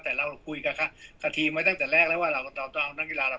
แต่เราคุยกับทีมไว้ตั้งแต่แรกแล้วว่าเราต้องเอานักกีฬาเรา